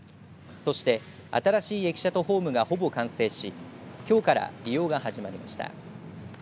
そして、新しい駅舎とホームがほぼ完成しきょうから利用が始まりました。